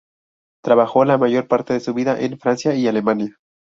Trabajó la mayor parte de su vida en Francia y Alemania.